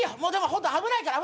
ホント危ないから。